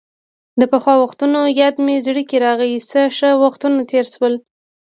د پخوا وختونو یاد مې زړه کې راغۍ، څه ښه وختونه تېر شول.